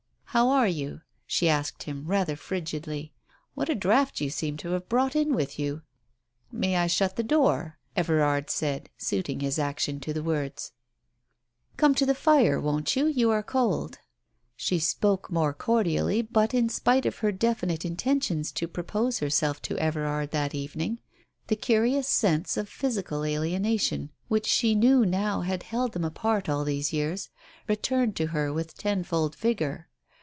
"How are you?" she asked him, rather frigidly. "What a draught you seem to have brought in with you !" "May I shut the door?" Everard said, suiting his action to the words. Digitized by Google 18 TALES OF THE UNEASY "Come to the fire, won't you ? You are cold." She spoke more cordially, but, in spite of her definite intention to propose herself to Everard that evening, the curious sense of physical alienation which she knew now had held them apart all these years, returned to her with tenfold vigour.